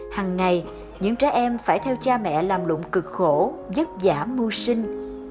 hằng ngày những trẻ em phải theo cha mẹ làm lụng cực khổ giấc giả mưu sinh